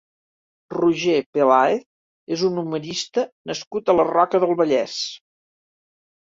Roger Pelàez és un humorista nascut a la Roca del Vallès.